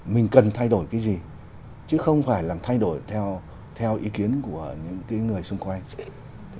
mình cần thay đổi cái gì chứ không phải làm thay đổi theo ý kiến của những người xung quanh